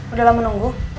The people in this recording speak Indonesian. udah lama nunggu